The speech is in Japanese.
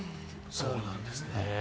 そうなんですね。